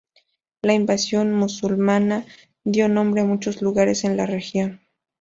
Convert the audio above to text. La invasión musulmana dio nombre a muchos lugares en la región.